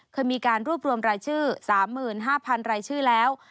เคยมีการรวบรวมรายชื่อ๓๕๐๐๐รายชื่อแล้ว